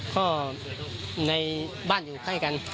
ก็ในบ้านอยู่ใกล้กัน